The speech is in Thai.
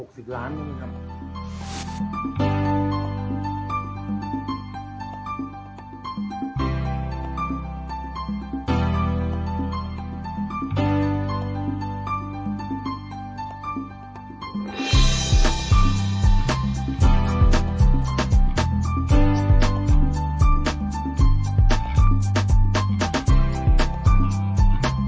สวัสดีครับสวัสดีครับ